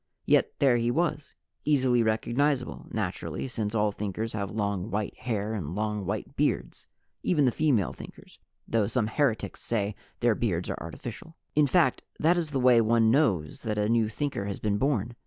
Yet there he was easily recognizable, naturally, since all Thinkers have long white hair and long white beards. (Even the female Thinkers though some heretics say their beards are artificial.) In fact, that is the way one knows that a new Thinker has been born.